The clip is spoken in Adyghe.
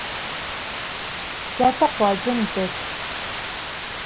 Syate khuacem des.